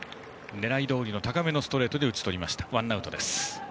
狙いどおりの高めのストレートで打ち取ってワンアウトです。